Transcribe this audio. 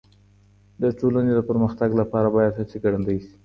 د ټولني د پرمختګ لپاره بايد هڅې ګړندۍ سي.